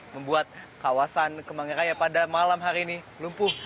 membuat kawasan kemangiraya pada malam hari ini lumpuh